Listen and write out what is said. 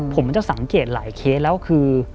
ผมจะสังเกตหลายเคสแล้วคือ